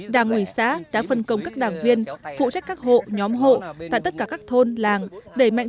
đảng ủy xã đã phân công các đảng viên phụ trách các hộ nhóm hộ tại tất cả các thôn làng đẩy mạnh